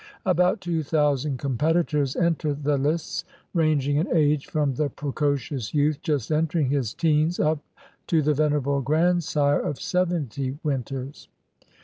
About two thousand competitors enter the lists, rang ing in age from the precocious youth just entering his teens up to the venerable grandsire of seventy winters.